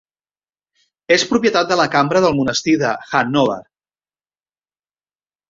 És propietat de la Cambra del monestir de Hannover.